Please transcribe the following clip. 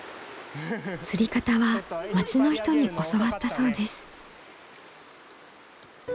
釣り方は町の人に教わったそうです。